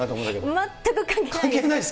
全く関係ないです。